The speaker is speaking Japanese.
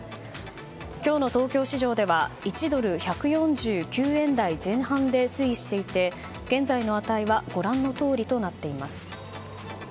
今日の東京市場では１ドル＝１４９円台前半で推移していて、現在の値はご覧のとおりとなっています。